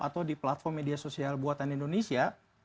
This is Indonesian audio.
atau di platform media sosial buatan indonesia